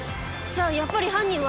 じゃあやっぱり犯人は。